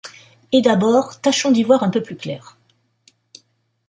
Et d’abord, tâchons d’y voir un peu plus clair.